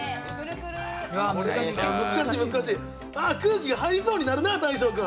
結構難しい、空気が入りそうになるな、大昇君。